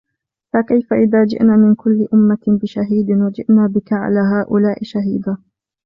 فكيف إذا جئنا من كل أمة بشهيد وجئنا بك على هؤلاء شهيدا